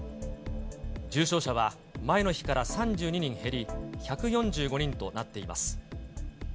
重症者は前の日から３２人減り、１４５人となっています。